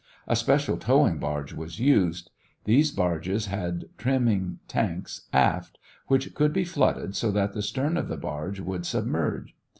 A special towing barge was used. These barges had trimming tanks aft, which could be flooded so that the stern of the barge would submerge.